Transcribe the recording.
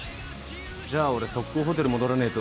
じゃあ俺ソッコーホテル戻らねえと。